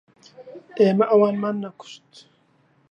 ئێمە ئەوانمان نەکوشت.